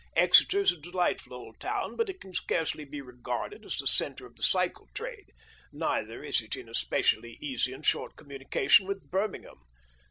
Exeter is a delight ful old town, but it can scarcely be regarded as the centre of the cycle trade ; neither is it in especially easy and short communication with Birmingham.